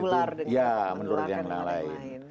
menular dan menularkan dengan lain lain